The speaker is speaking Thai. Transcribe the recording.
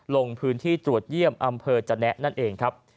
ลงพื้นที่ตรวจเยี่ยมอำเภอจนะนั่นเองครับ